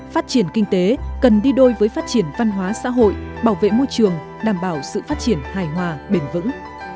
phát triển kinh tế cần đi đôi với phát triển văn hóa xã hội bảo vệ môi trường đảm bảo sự phát triển hài hòa bền vững